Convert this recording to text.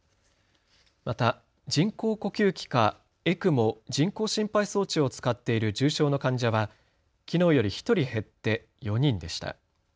また人工呼吸器かＥＣＭＯ・人工心肺装置を使っている重症の患者はきのうより１人減って４人でした。